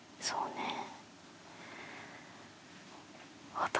そうだね。